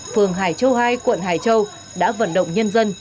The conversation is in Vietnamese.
phường hải châu hai quận hải châu đã vận động nhân dân